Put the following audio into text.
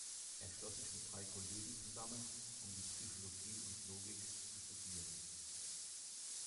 Er schloss sich mit drei Kollegen zusammen, um die Psychologie und Logik zu studieren.